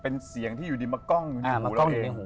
เป็นเสียงที่อยู่ดีมาก้องอยู่ในหัวเราเอง